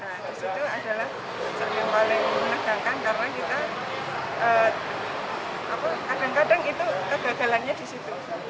nah disitu adalah yang paling menegangkan karena kita kadang kadang itu kegagalannya disitu